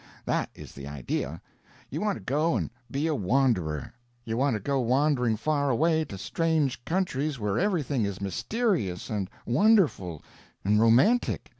That is the idea; you want to go and be a wanderer; you want to go wandering far away to strange countries where everything is mysterious and wonderful and romantic.